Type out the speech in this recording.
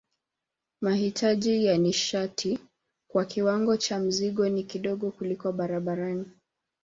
Mahitaji ya nishati kwa kiwango cha mzigo ni kidogo kuliko barabarani.